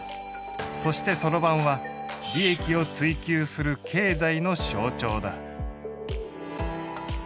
そして算盤は利益を追求する経済の象徴だ。